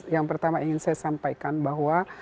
yang pertama ingin saya sampaikan bahwa